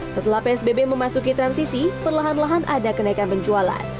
setelah psbb memasuki transisi perlahan lahan ada kenaikan penjualan